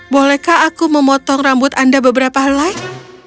bolehkah aku memotong rambut anda beberapa hal lain